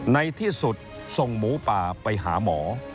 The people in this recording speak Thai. ในที่สุดส่งหมูป่าไปหาหมอ